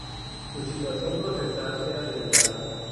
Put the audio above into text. Su situación procesal era delicada.